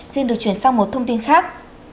xin được chuyển sang một thông tin khác